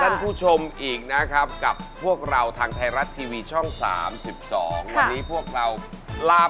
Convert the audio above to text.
ไม่มีนะครับคุณพลาดแจ็คพอร์ตแล้ว